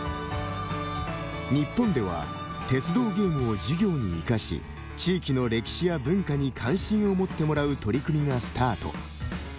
日本では鉄道ゲームを授業に生かし地域の歴史や文化に関心を持ってもらう取り組みがスタート。